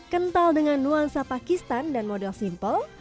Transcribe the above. kental dengan nuansa pakistan dan model simple